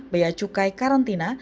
biaya cukai karantina